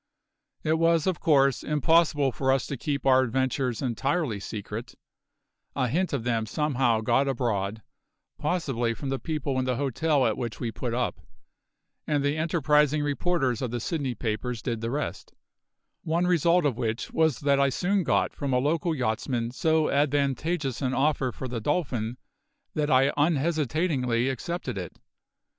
It was, of course, impossible for us to keep our adventures entirely secret; a hint of them somehow got abroad, possibly from the people in the hotel at which we put up, and the enterprising reporters of the Sydney papers did the rest; one result of which was that I soon got from a local yachtsman so advantageous an offer for the Dolphin that I unhesitatingly accepted it.